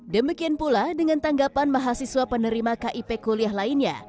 demikian pula dengan tanggapan mahasiswa penerima kip kuliah lainnya